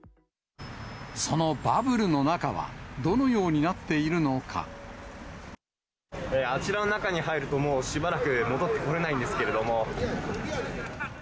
そのバブルの中は、あちらの中に入るともうしばらく戻ってこれないんですけれども。